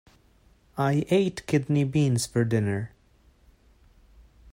I ate Kidney beans for dinner.